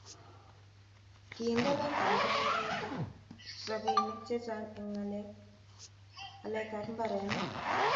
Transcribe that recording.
kiindene kampunit nito robinik chechang' eng' aletab mbarenik